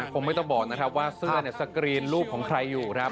คงไม่ต้องบอกนะครับว่าเสื้อสกรีนรูปของใครอยู่ครับ